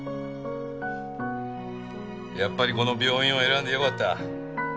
やっぱりこの病院を選んでよかった。